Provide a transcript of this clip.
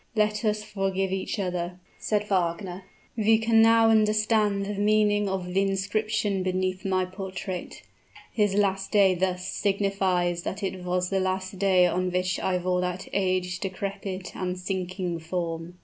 "Let us forgive each other!" said Wagner. "You can now understand the meaning of the inscription beneath my portrait. 'His last day thus' signifies that it was the last day on which I wore that aged, decrepit, and sinking form."